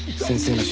先生！